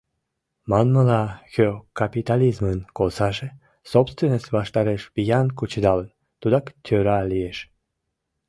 Манмыла, кӧ капитализмын косаже, собственность ваштареш виян кучедалын, тудак тӧра лиеш.